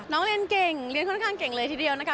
น้องเรียนเก่งเรียนค่อนข้างเก่งเลยทีเดียวนะคะ